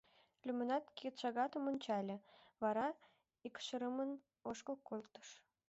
Лӱмынак кидшагатым ончале, вара икшырымын ошкыл колтыш.